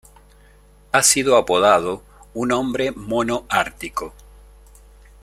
Ha sido apodado "un hombre Mono Ártico".